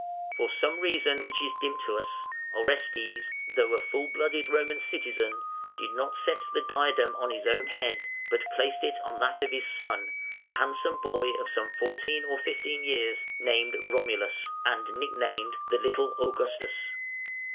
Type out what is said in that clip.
For some reason which is dim to us, Orestes, though a full blooded Roman citizen, did not set the diadem on his own head, but placed it on that of his son, a handsome boy of some fourteen or fifteen years, named Romulus, and nicknamed "the little Augustus".